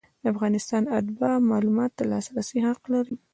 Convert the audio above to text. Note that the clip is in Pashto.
د افغانستان اتباع معلوماتو ته د لاسرسي حق لري.